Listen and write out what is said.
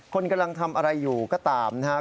คนกำลังทำอะไรอยู่ก็ตามนะครับ